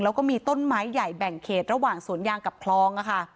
แล้วก็มีต้นไม้ใหญ่แบ่งเขตระหว่างสวนยางกับคลอง